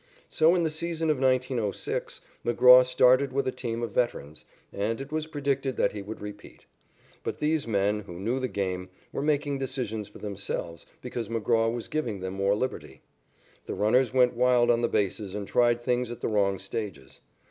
So in the season of 1906 McGraw started with a team of veterans, and it was predicted that he would repeat. But these men, who knew the game, were making decisions for themselves because McGraw was giving them more liberty. The runners went wild on the bases and tried things at the wrong stages.